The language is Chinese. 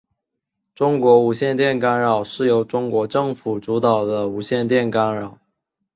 中国无线电干扰是由中国政府主导的无线电干扰。